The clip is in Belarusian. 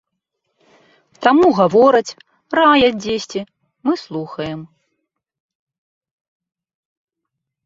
Таму гавораць, раяць дзесьці, мы слухаем.